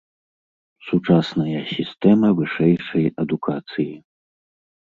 Сучасная сістэма вышэйшай адукацыі.